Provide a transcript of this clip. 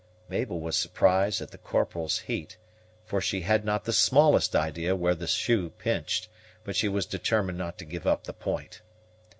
Mabel was surprised at the Corporal's heat, for she had not the smallest idea where the shoe pinched; but she was determined not to give up the point.